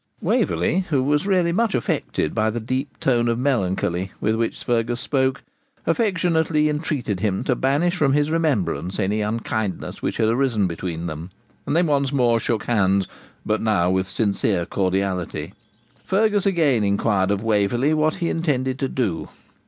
Waverley, who was really much affected by the deep tone of melancholy with which Fergus spoke, affectionately entreated him to banish from his remembrance any unkindness which had arisen between them, and they once more shook hands, but now with sincere cordiality. Fergus again inquired of Waverley what he intended to do.